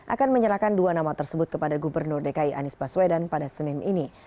akan menyerahkan dua nama tersebut kepada gubernur dki anies baswedan pada senin ini